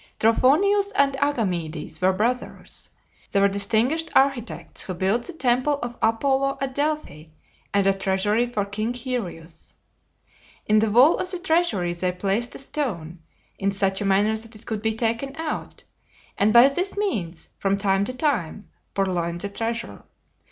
Trophonius and Agamedes were brothers. They were distinguished architects, and built the temple of Apollo at Delphi, and a treasury for King Hyrieus. In the wall of the treasury they placed a stone, in such a manner that it could be taken out; and by this means, from time to time, purloined the treasure.